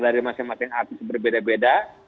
dari masyarakat artis berbeda beda